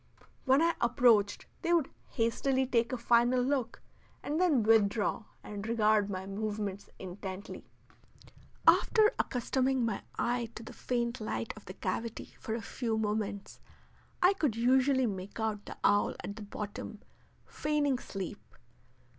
When I approached they would hastily take a final look and then withdraw and regard my movements intently. After accustoming my eye to the faint light of the cavity for a few moments, I could usually make out the owl at the bottom feigning sleep.